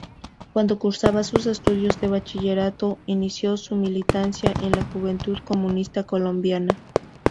Cuando cursaba sus estudios de bachillerato, inició su militancia, en la Juventud Comunista Colombiana.